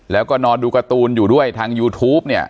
แล้วก็นอนดูการ์ตูนอยู่ด้วยทางยูทูปเนี่ย